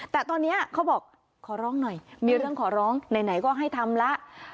แต่ตอนนี้เขาบอกขอร้องหน่อยมีเรื่องขอร้องไหนก็ให้ทำแล้ว